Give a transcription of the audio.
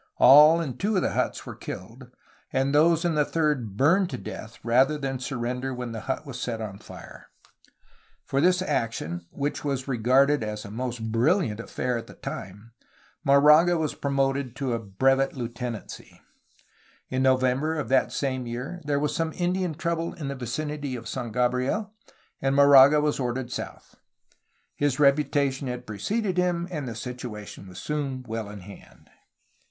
All in two 'of the huts were killed, and those in the third burned to death rather than surrender when the hut was set on fire. For this action, which was regarded as a most brilliant affair at the time, Moraga was promoted to a brevet Heutenancy. In November of that same year there was some Indian trouble in the vicinity of San Gabriel, and Moraga was ordered south. His reputation had preceded him, and the situation was soon well in hand.